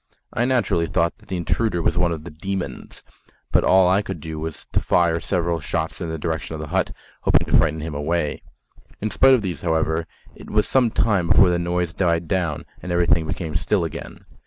I naturally thought that the intruder was one of the "demons," but all I could do was to fire several shots in the direction of the hut, hoping to frighten him away. In spite of these, however, it was some time before the noise died down and everything became still again.